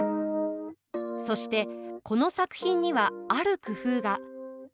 そしてこの作品にはある工夫が。